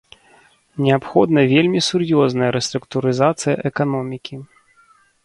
Неабходная вельмі сур'ёзная рэструктурызацыя эканомікі.